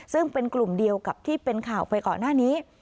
ซึ่งเป็นกลุ่มเดียวกับที่เป็นข่าวไปก่อนหน้านี้